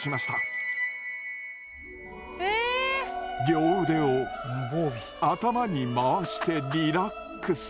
両腕を頭に回してリラックス。